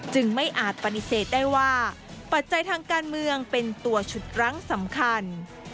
ไม่อาจปฏิเสธได้ว่าปัจจัยทางการเมืองเป็นตัวฉุดรั้งสำคัญ